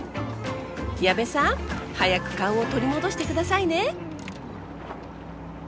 矢部さん早く勘を取り戻して下さいね！